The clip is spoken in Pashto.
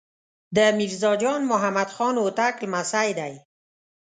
د میرزا جان محمد خان هوتک لمسی دی.